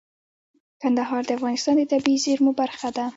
کندهار د افغانستان د طبیعي زیرمو برخه ده.